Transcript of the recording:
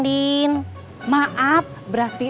tidak ada memeqat k turun